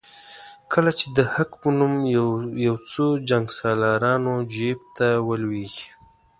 کله چې د حق په نوم یو څه جنګسالارانو جیب ته ولوېږي.